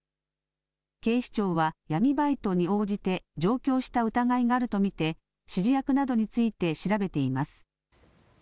警視庁は闇バイトに応じて上京した疑いがあると見て指示役などについて調べています。